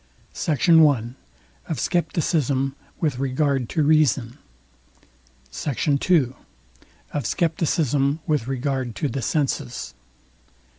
SECT. I. OF SCEPTICISM WITH REGARD TO REASON. SECT. II. OF SCEPTICISM WITH REGARD TO THE SENSES.